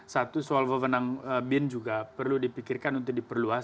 satu soal pemenang bin juga perlu dipikirkan untuk diperluas